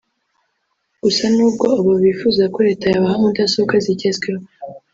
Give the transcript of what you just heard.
Gusa nubwo aba bifuza ko Leta yabaha mudasobwa zigezweho